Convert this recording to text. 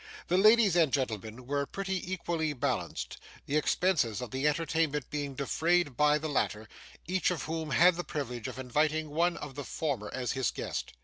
The ladies and gentlemen were pretty equally balanced; the expenses of the entertainment being defrayed by the latter, each of whom had the privilege of inviting one of the former as his guest.